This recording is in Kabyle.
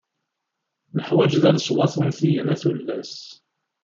Neḥwaǧ da leṣwat untiyen a tullas!